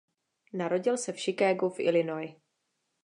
Narodil se v Chicagu v Illinois.